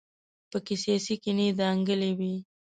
په کې سیاسي کینې دنګلې وي.